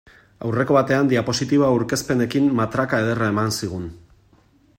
Aurreko batean diapositiba aurkezpenekin matraka ederra eman zigun.